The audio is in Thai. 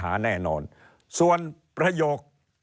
เริ่มตั้งแต่หาเสียงสมัครลง